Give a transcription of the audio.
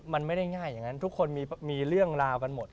มันไม่ได้ง่ายอย่างนั้นทุกคนมีเรื่องราวกันหมด